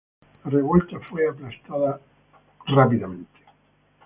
La revuelta fue aplastada pronto.